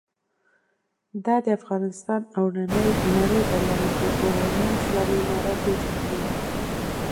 دا د افغانستان او نړۍ بریالیتوب بولو، نه اسلامي امارت یا جمهوریت.